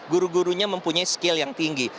guru gurunya mempunyai skill yang tinggi